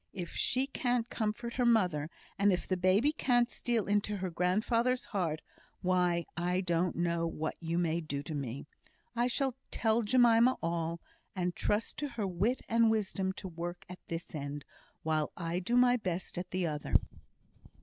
If she can't comfort her mother, and if the baby can't steal into her grandfather's heart, why I don't know what you may do to me. I shall tell Jemima all, and trust to her wit and wisdom to work at this end, while I do my best at the other."